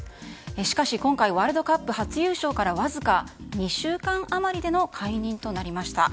しかし今回ワールドカップ初優勝からわずか２週間余りでの解任となりました。